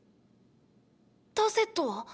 タセットは？